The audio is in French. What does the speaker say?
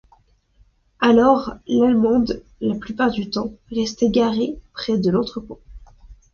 Alors l’allemande, la plupart du temps, restait garée près de l’entrepôt.